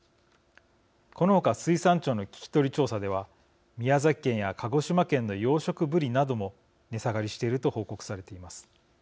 このほか水産庁の聞き取り調査では宮崎県や鹿児島県の養殖ブリなども値下がりしていると報告されています。